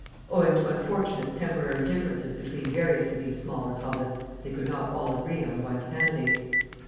Owing to unfortunate temporary differences between various of these small republics they could not all agree on one candidate.